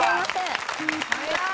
早い！